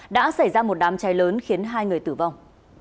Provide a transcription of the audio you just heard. đã xảy ra một đám cháy lớn khiến hai người tử vong